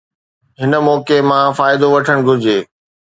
هن موقعي مان فائدو وٺڻ گهرجي.